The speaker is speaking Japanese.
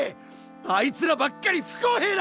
あいつらばっかり不公平だ！